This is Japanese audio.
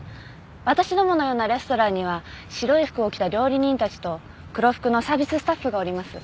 私どものようなレストランには白い服を着た料理人たちと黒服のサービススタッフがおります。